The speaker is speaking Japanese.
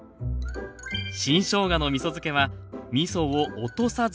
新しょうがのみそ漬けはみそを落とさずそのままで。